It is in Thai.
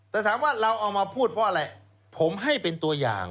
แต่ถามว่าเราเอามาพูดเพราะอะไรผมให้เป็นตัวอย่าง